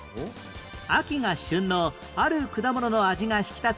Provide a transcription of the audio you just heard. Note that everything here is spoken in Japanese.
秋が旬のある果物の味が引き立つ